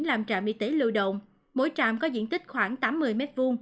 làm trạm y tế lưu động mỗi trạm có diện tích khoảng tám mươi m hai